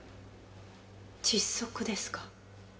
窒息ですか？